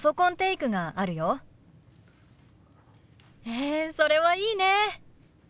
へえそれはいいね。